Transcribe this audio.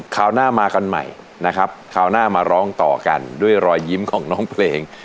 คราวหน้ามากันใหม่นะครับคราวหน้ามาร้องต่อกันด้วยรอยยิ้มของน้องเพลง